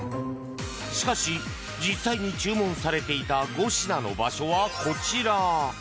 しかし、実際に注文されていた５品の場所はこちら。